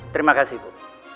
terima kasih bu